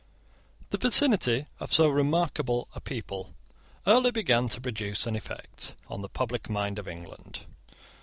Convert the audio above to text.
The vicinity of so remarkable a people early began to produce an effect on the public mind of England.